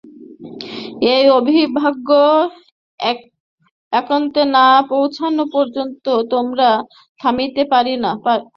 এই অবিভাজ্য একত্বে না পৌঁছান পর্যন্ত আমরা থামিতে পারি না।